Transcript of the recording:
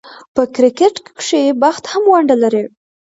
په کرکټ کښي بخت هم ونډه لري.